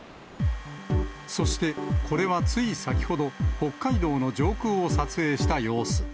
そして、これはつい先ほど、北海道の上空を撮影した様子。